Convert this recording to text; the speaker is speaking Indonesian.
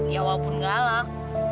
ya walaupun galak